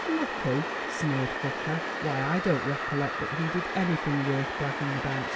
"Lucky!" sneered Hooker. "Why, I don't recollect that he did anything worth bragging about.